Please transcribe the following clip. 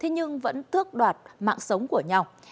nhưng vẫn thước đoạt mạng sống của nhau